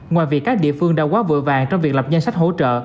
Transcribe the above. ngoài vì các địa phương đã quá vội vàng trong việc lập nhân sách hỗ trợ